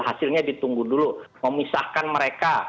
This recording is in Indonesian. hasilnya ditunggu dulu memisahkan mereka